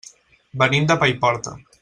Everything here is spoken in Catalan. Venim de Paiporta.